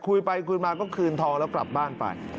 คุยไปคุยมาก็คืนทองแล้วกลับบ้านไป